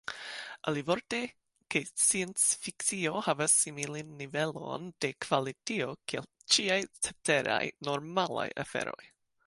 Alivorte, ke sciencfikcio havas similan nivelon de kvalito kiel ĉiaj ceteraj, “normalaj” aferoj.